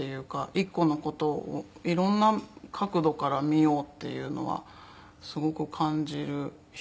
一個の事を色んな角度から見ようっていうのはすごく感じる人でしたね。